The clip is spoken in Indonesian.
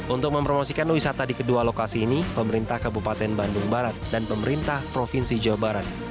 untuk mempromosikan wisata di kedua lokasi ini pemerintah kabupaten bandung barat dan pemerintah provinsi jawa barat